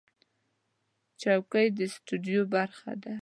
چوکۍ د سټوډیو برخه ده.